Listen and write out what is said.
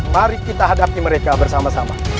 mari kita hadapi mereka bersama sama